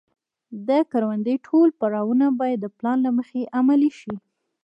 د کروندې ټول پړاوونه باید د پلان له مخې عملي شي.